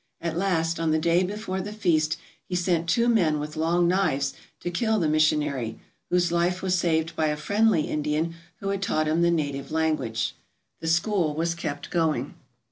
At last, on the day before the feast, he sent two men with long knives to kill the mission ary, whose life was saved by a friendly Indian who had taught him the native language. The school was kept going.